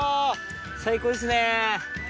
最高ですね。